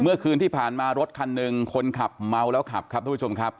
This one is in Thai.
เมื่อคืนที่ผ่านมารถคันหนึ่งคนขับเมาแล้วขับครับทุกผู้ชมครับ